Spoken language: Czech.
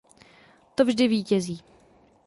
To vždy vítězí!